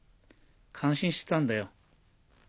感心してたんだよ。